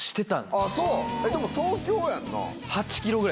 でも東京やんな？